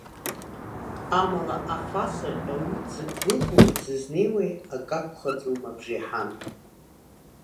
Амала, аф асыртә, ауаҩы дзықәгәыӷуеи дзызнеиуеи акакәхаӡом абжеиҳан.